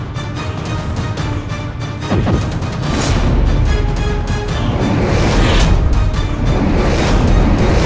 ternyata seperti itu